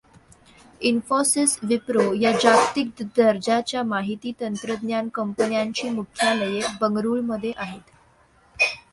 इन्फॉसिस, विप्रो या जागतिक दर्जाच्या माहिती तंत्रज्ञान कंपन्यांची मुख्यालये बंगळूरमध्ये आहेत.